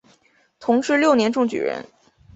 同治六年中举人。